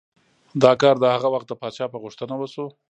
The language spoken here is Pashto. دا کار د هغه وخت د پادشاه په غوښتنه وشو.